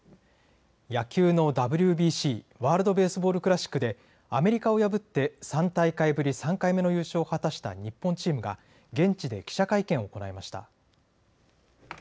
野球のＷＢＣ・ワールド・ベースボール・クラシックでアメリカを破って３大会ぶり３回目の優勝を果たした日本チームが現地で記者会見を行いました。